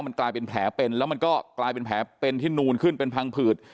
มันกลายเป็นแผลเป็นแล้วมันก็กลายเป็นแผลเป็นที่นูนขึ้นเป็นพังผืด